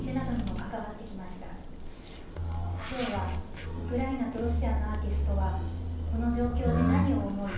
今日はウクライナとロシアのアーティストはこの状況で何を思い